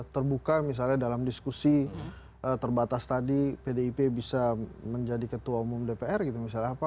terbuka misalnya dalam diskusi terbatas tadi pdip bisa menjadi ketua umum dpr gitu misalnya apa